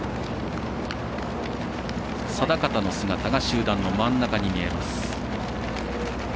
定方の姿が集団の真ん中に見えます。